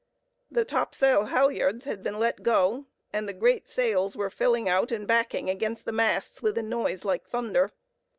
The topsail halyards had been let go, and the great sails were filling out and backing against the masts with a noise like thunder.